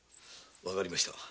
わかりました。